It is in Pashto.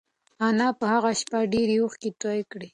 انا په هغه شپه ډېرې اوښکې تویې کړې.